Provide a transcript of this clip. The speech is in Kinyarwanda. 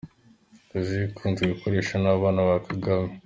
Iyi niyo ikunzwe gukoreshwa n’abana ba Kagame.